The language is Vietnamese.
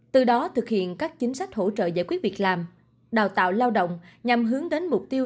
từ đó thực hiện các chính sách hỗ trợ giải quyết việc làm đào tạo lao động nhằm hướng đến mục tiêu